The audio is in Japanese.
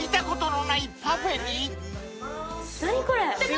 何これ。